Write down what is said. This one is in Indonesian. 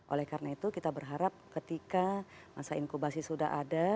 oleh karena itu kita berharap ketika masa inkubasi sudah ada